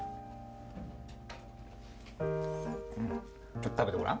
ちょっと食べてごらん。